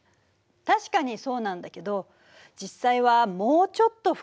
確かにそうなんだけど実際はもうちょっと複雑なのよ。